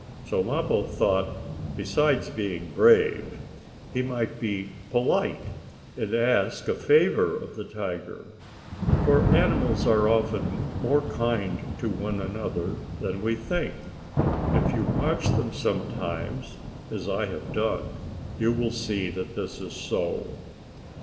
So Mappo thought, besides being brave, he might be polite, and ask a favor of the tiger. For animals are often more kind to one another than we think. If you watch them sometimes, as I have done, you will see that this is so.